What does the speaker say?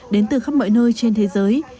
đến từ khắp mọi nơi trên thế giới